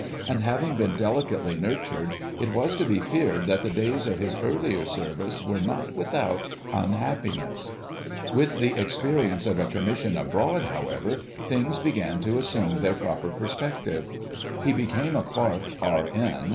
and, having been delicately nurtured, it is to be feared that the days of his earlier service were not without unhappiness. With the experience of a commission abroad, however, things began to assume their proper perspective. He became a Clerk, R.N.